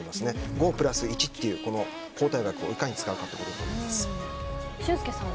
５プラス１という交代枠をいかに使うかだと思います。